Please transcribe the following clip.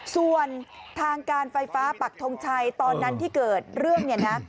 ส่วนทางการไฟฟ้าปักทงชัยตอนนั้นที่เกิดเรื่องเนี่ยนะ